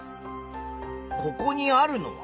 ここにあるのは？